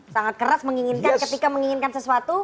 sangat keras menginginkan ketika menginginkan sesuatu